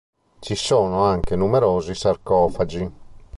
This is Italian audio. Ci sono anche numerosi sarcofagi.